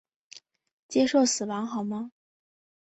接受死亡好吗？